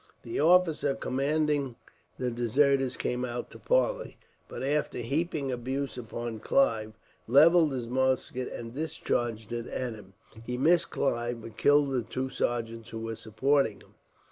The officer commanding the deserters came out to parley, but, after heaping abuse upon Clive, levelled his musket and discharged it at him. He missed Clive, but killed the two sergeants who were supporting him.